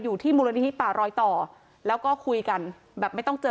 ที่มูลนิธิป่ารอยต่อแล้วก็คุยกันแบบไม่ต้องเจอ